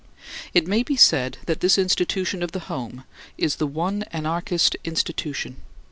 It may be said that this institution of the home is the one anarchist institution.